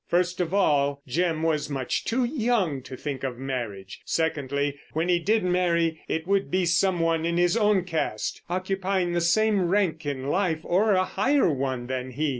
First of all, Jim was much too young to think of marriage. Secondly, when he did marry, it would be some one in his own cast, occupying the same rank in life or a higher one than he.